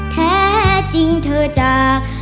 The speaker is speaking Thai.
แท้จริงเธอจาก